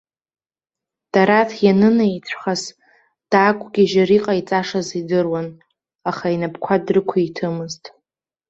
Дараҭ ианынеицәхас, даақәгьежьыр иҟаиҵашаз идыруан, аха инапқәа дрықәиҭымызт.